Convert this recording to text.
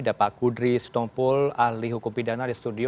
dan pak kudri sitompul ahli hukum pidana di studio